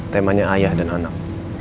temanya ayah dan anak